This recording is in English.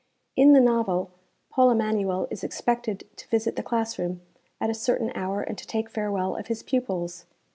In the novel, Paul Emanuel is expected to visit the class room at a certain hour and to take farewell of his pupils.